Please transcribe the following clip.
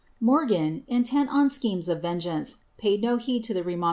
^ Morgan, intent on schemes of vengeance, paid no heed to the remon * Camden.